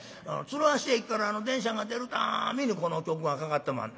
鶴橋駅から電車が出るたんびにこの曲がかかってまんねん。